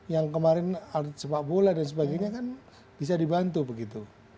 yang kemarin sepak bola dan sebagainya kan bisa dibantu begitu